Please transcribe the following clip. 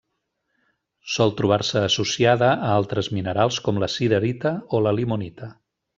Sol trobar-se associada a altres minerals com la siderita o la limonita.